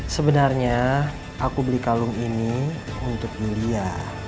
sebenarnya aku beli kalung ini untuk julia